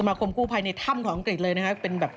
แล้วก็ลุกขึ้นไปยืนให้เค้าถ่ายรูป